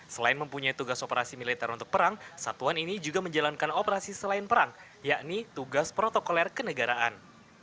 selain mempunyai tugas operasi militer untuk perang satuan ini juga menjalankan operasi selain perang yakni tugas protokoler kenegaraan